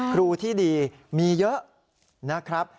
ครูที่ดีมีเยอะนะครับ